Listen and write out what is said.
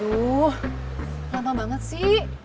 duhhh lama banget sii